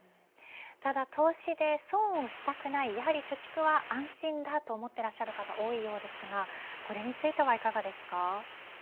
ただ投資で損をしたくないやはり貯蓄は安心だと思っている方が多いようですがこれについてはいかがですか。